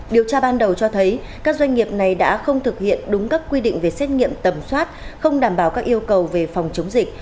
điều tra ban đầu cho thấy các doanh nghiệp này đã không thực hiện đúng các quy định về xét nghiệm tầm soát không đảm bảo các yêu cầu về phòng chống dịch